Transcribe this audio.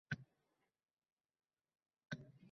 Ular bir zumda daraxt yoniga boribdi